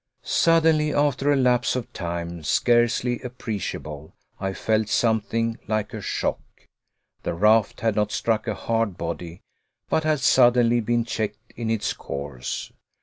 Suddenly, after a lapse of time scarcely appreciable, I felt something like a shock. The raft had not struck a hard body, but had suddenly been checked in its course.